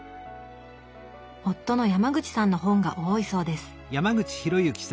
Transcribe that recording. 夫の山口さんの本が多いそうです